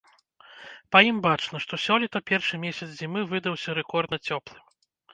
Па ім бачна, што сёлета першы месяц зімы выдаўся рэкордна цёплым.